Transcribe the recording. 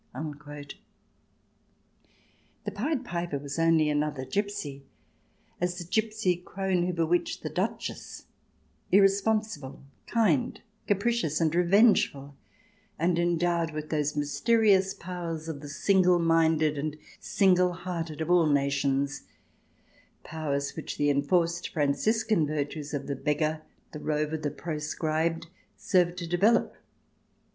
..." The Pied Piper was only another Gipsy, as the gipsy crone who bewitched the Duchess — irrespon sible, kind, capricious, and revengeful, and endowed with those mysterious powers of the single minded and single hearted of all nations — powers which the CH. xiii] GRAND DUKES AND GIPSIES 179 enforced Franciscan virtues of the beggar, the rover, the proscribed, serve to develop.